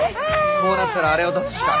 こうなったらアレを出すしか。